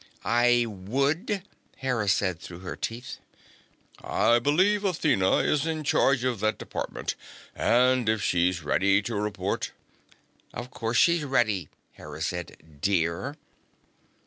"I would," Hera said through her teeth. "I believe Athena is in charge of that department, and if she is ready to report " "Of course she's ready," Hera said, "dear."